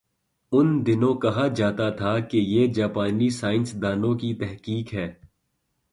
ان دنوں کہا جاتا تھا کہ یہ جاپانی سائنس دانوں کی تحقیق ہے۔